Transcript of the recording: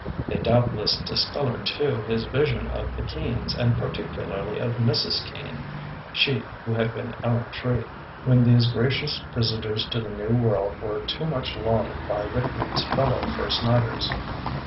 They doubtless discolored, too, his vision of the Eeans and particularly of Mrs. Kean (she who had been Ellen Tree), when these gracious visitors to the new world were too much lauded by Whitman's fellow first nighters.